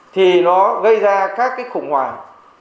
thì nó gây ra các cái khủng hoảng